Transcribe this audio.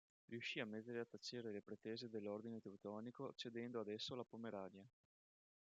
Riuscì a mettere a tacere le pretese dell'ordine Teutonico cedendo ad esso la Pomerania.